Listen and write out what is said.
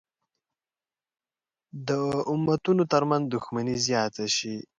د امتونو تر منځ دښمني زیاته شي.